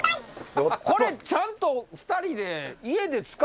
これちゃんと２人で。